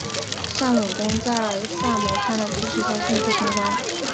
向永功在萨摩藩的支持下迅速升官。